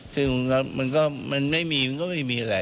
ซึ่งมันก็มันไม่มีมันก็ไม่มีอะไร